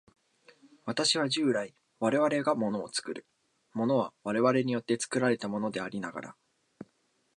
私は従来、我々が物を作る、物は我々によって作られたものでありながら、